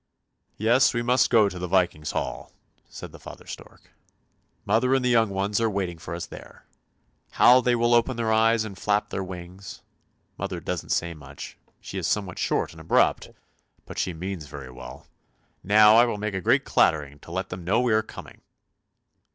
" Yes, we must go to the Viking's hall," said the father stork; " mother and the young ones are waiting for us there. How they will open their eyes and flap their wings! Mother doesn't say much; she is somewhat short and abrupt, but she means very well. Now I will make a great clattering to let them know we are coming!